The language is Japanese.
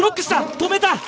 止めた！